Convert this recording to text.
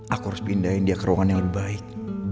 aku harus pindahin dia ke ruangan yang lebih baik